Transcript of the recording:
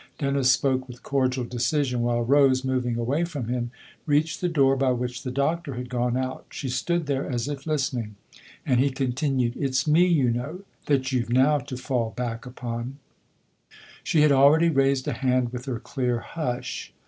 Dennis spoke with cordial decision, while Rose, moving away from him, reached the door by which the Doctor had gone out. She stood there as if listening, and he con^ tinued :" It's me, you know, that you've now to 'fall back 'upon." 64 THE OTHER HOUSE She had already raised a hand with her clear " Hush